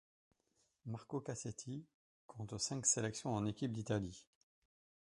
Marco Cassetti compte cinq sélections en équipe d'Italie.